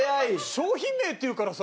商品名って言うからさ。